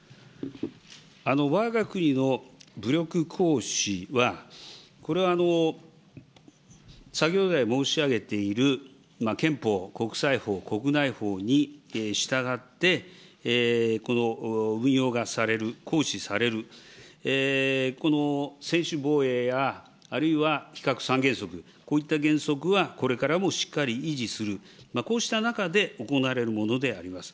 わが国の武力行使は、これは先ほど来、申し上げている、憲法、国際法、国内法に従って、運用がされる、行使される、この専守防衛や、あるいは非核三原則、こういった原則はこれからもしっかり維持する、こうした中で行われるものであります。